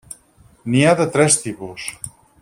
N'hi ha de tres tipus.